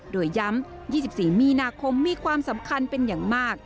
โดยย้ำ๒๔มีนาคมมีความสำคัญเป็นอย่างมาก